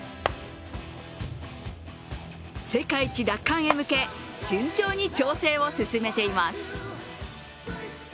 世界一奪還へ向け順調に調整を進めています。